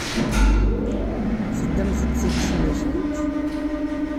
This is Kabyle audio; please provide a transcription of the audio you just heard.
Teddamt-d deg tmacint?